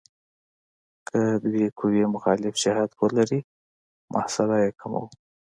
که دوه قوې مخالف جهت ولري محصله یې کموو.